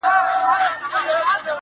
هر میدان یې په مړانه وي گټلی!!